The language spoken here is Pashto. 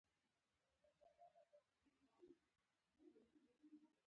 موټر ښایسته ډیزاین لري.